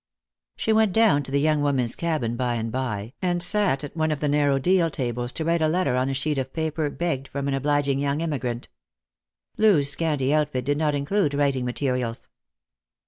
She went down to the young women's cabin by and by, and sat at one of the narrow deal tables to write a letter on a sheet of paper begged from an obliging young emigrant. Loo's scanty outfit did not include writing materials.